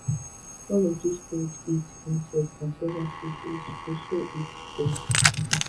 All of these birds eat insects and several species also eat berries.